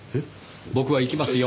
僕は行きますよ。